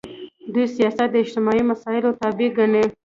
دوی سیاست د اجتماعي مسایلو تابع ګڼي.